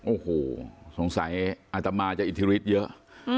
โอ้โหสงสัยอาตมาจะอิทธิฤทธิ์เยอะ